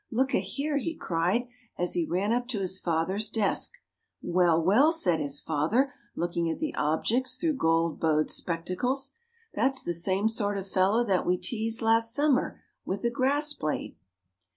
"Look a here!" he cried as he ran up to his father's desk. "Well, well!" said his father, looking at the objects through gold bowed spectacles, "that's the same sort of fellow that we teased last summer with a grass blade."